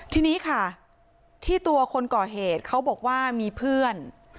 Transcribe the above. ทีนี้ค่ะที่ตัวคนก่อเหตุเขาบอกว่ามีเพื่อน